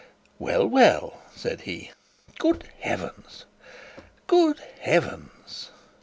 'Well, well,' said he. 'Good heavens! Good heavens!'